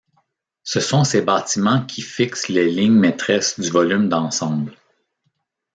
Ce sont ces bâtiments qui fixent les lignes maîtresses du volume d’ensemble.